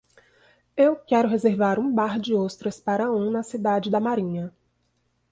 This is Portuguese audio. Eu quero reservar um bar de ostras para um na cidade da Marinha.